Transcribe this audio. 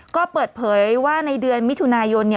ก็เปิดเผยว่าในเดือนมิถุนายน